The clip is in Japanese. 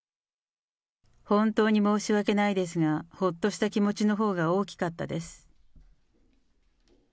本当に申し訳ないですが、ほっとした気持ちのほうが大きかったです。